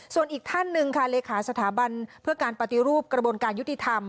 ส่วนอีกท่านหนึ่งค่ะเลขาสถาบันเพื่อการปฏิรูปกระบวนการยุติธรรม